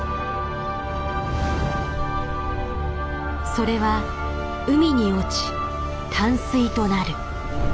それは海に落ち淡水となる。